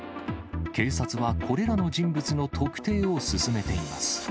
警察はこれらの人物の特定を進めています。